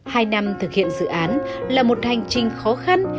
hai năm thực hiện dự án là một hành trình khó khăn